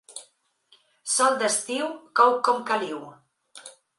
Sol d'estiu cou com caliu.